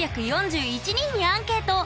３４１人にアンケート！